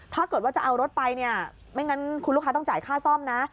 ถ้าเกิดว่าจะเอารถไปเนี่ยไม่งั้นคุณลูกค้าต้องจ่ายค่าซ่อมนะ